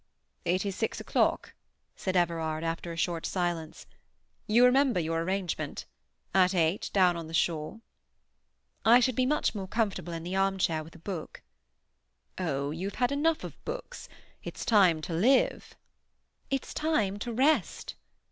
"It is six o'clock," said Everard, after a short silence. "You remember your arrangement. At eight, down on the shore." "I should be much more comfortable in the armchair with a book." "Oh, you have had enough of books. It's time to live." "It's time to rest."